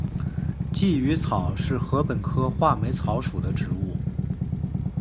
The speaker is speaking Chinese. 鲫鱼草是禾本科画眉草属的植物。